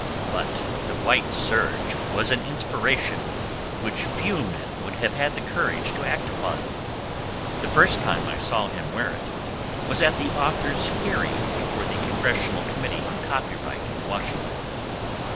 But the white serge was an inspiration which few men would have had the courage to act upon. The first time I saw him wear it was at the authors' hearing before the Congressional Committee on Copyright in Washington.